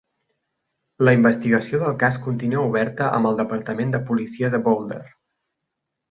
La investigació del cas continua oberta amb el departament de policia de Boulder.